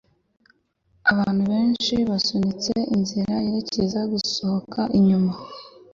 abantu benshi basunitse inzira yerekeza gusohoka inyuma